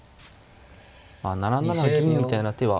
まあ７七銀みたいな手は。